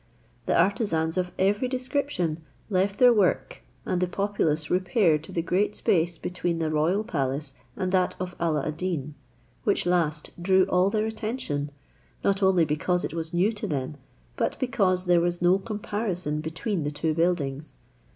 The artisans of every description left their work, and the populace repaired to the great space between the royal palace and that of Alla ad Deen; which last drew all their attention, not only because it was new to them, but because there was no comparison between the two buildings.